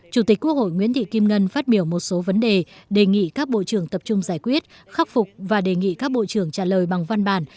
chủ tịch quốc hội nguyễn thị kim ngân phát biểu một số vấn đề đề nghị các bộ trưởng tập trung giải quyết khắc phục và đề nghị các bộ trưởng trả lời bằng văn bản